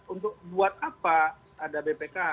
untuk buat apa ada bpk